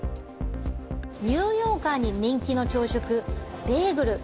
ニューヨーカーに人気の朝食、ベーグル。